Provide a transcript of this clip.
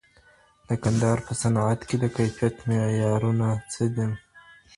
د کندهار په صنعت کي د کیفیت معیارونه څه دي؟